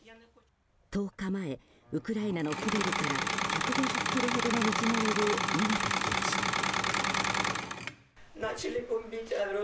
１０日前ウクライナのコベリから１５０ｋｍほどの道のりを逃げてきました。